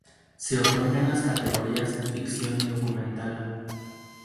Se otorga en las categorías ficción y documental.